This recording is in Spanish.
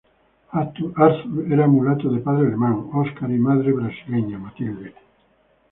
Arthur era mulato de padre alemán, Oscar y madre brasileña, Matilde.